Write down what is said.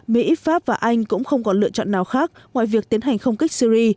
mỹ pháp và anh cũng không còn lựa chọn nào khác ngoài việc tiến hành không kích syri